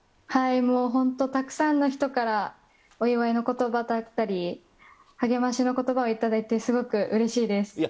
もう本当たくさんの人からお祝いのことばだったり、励ましのことばを頂いて、すごくうれしいです。